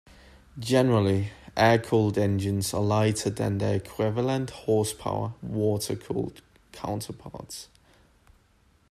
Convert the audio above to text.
Generally, air-cooled engines are lighter than their equivalent horsepower water-cooled counterparts.